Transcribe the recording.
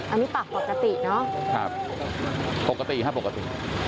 อันนี้ปากปกติเนอะครับปกติครับปกติ